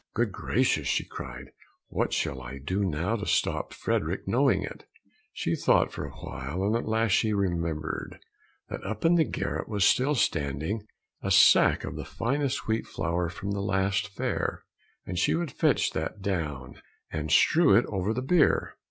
"Good gracious!" she cried. "What shall I do now to stop Frederick knowing it!" She thought for a while, and at last she remembered that up in the garret was still standing a sack of the finest wheat flour from the last fair, and she would fetch that down and strew it over the beer.